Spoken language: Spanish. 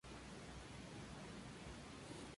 La órbita de la Tierra es elíptica.